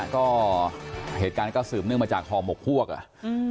ก็เหตุการณ์ก็สืบเนื่องมาจากห่อหมกพวกอ่ะอืม